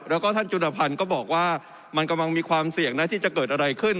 แล้วก็ท่านจุรพันธ์ก็บอกว่ามันกำลังมีความเสี่ยงนะที่จะเกิดอะไรขึ้น